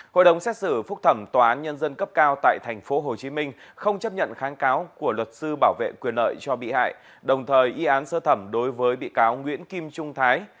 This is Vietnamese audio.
hội đồng xét xử phúc thẩm tòa án nhân dân cấp cao tại tp hcm không chấp nhận kháng cáo của luật sư bảo vệ quyền lợi cho bị hại đồng thời y án sơ thẩm đối với bị cáo nguyễn kim trung thái